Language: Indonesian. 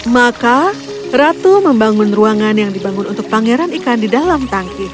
maka ratu membangun ruangan yang dibangun untuk pangeran ikan di dalam tangki